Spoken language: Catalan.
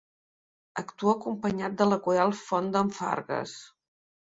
Actua acompanyat de la Coral Font d'en Fargues.